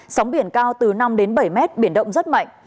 sóng biển cao từ năm đến bảy mét biển động rất mạnh